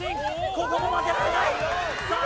ここも負けられないさあ